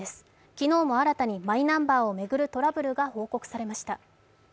昨日も新たにマイナンバーを巡るトラブルが報告されました。